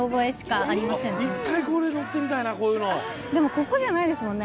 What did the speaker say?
でもここじゃないですもんね